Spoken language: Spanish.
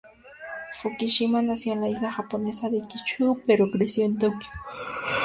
Fukushima nació en la isla japonesa de Kyushu, pero creció en Tokio.